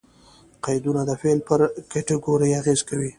قیدونه د فعل پر کېټګوري اغېز کوي.